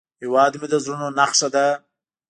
هیواد مې د زړونو نخښه ده